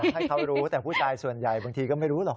ให้เขารู้แต่ผู้ชายส่วนใหญ่บางทีก็ไม่รู้หรอก